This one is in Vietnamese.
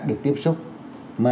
được tiếp xúc với nhau